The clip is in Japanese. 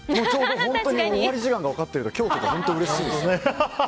本当に終わり時間が分かってるので今日とか本当うれしいです。